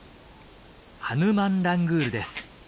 ハヌマンラングールです。